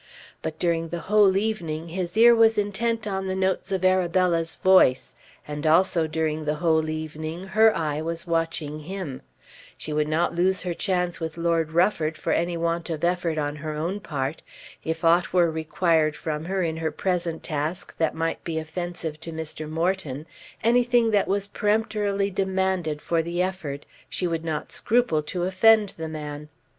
But during the whole evening his ear was intent on the notes of Arabella's voice; and also, during the whole evening, her eye was watching him. She would not lose her chance with Lord Rufford for want of any effort on her own part. If aught were required from her in her present task that might be offensive to Mr. Morton, anything that was peremptorily demanded for the effort, she would not scruple to offend the man.